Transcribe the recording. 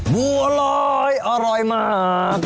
บัวลอยอร่อยมาก